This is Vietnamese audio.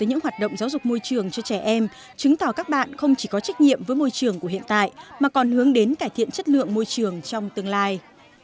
những hoạt động giáo dục môi trường cho trẻ em chứng tỏ các bạn không chỉ có trách nhiệm với môi trường của hiện tại mà còn hướng đến cải thiện chất lượng môi trường trong tương lai